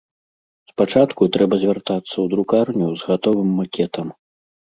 Спачатку трэба звяртацца ў друкарню з гатовым макетам.